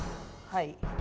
はい。